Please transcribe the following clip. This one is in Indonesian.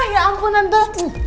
ya ampun tante